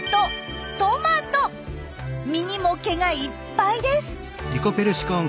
実にも毛がいっぱいです。